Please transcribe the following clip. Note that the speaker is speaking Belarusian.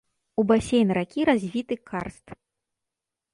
У басейн ракі развіты карст.